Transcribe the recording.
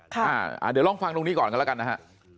เดี๋ยวลองฟังตรงนี้ก่อนกันแล้วกันนะฮะ